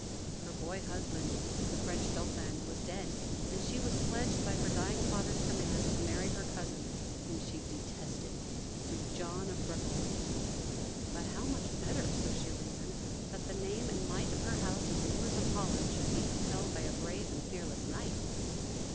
Her boy husband, the French Dauphin, was dead, and she was pledged by her dying father's command to marry her cousin, whom she detested, Duke John of Brabant. But how much better, so she reasoned, that the name and might of her house as rulers of Holland should be upheld by a brave and fearless knight.